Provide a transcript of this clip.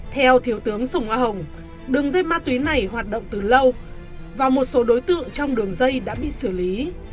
theo thiếu tướng sùng a hồng đường dây ma túy này hoạt động từ lâu và một số đối tượng trong đường dây đã bị xử lý